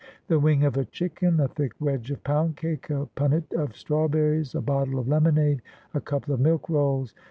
The wing of a chicken ; a thick wedge of pound cake ; a punnet of strawberries ; a bottle of lemonade ; a couple of milk rolls.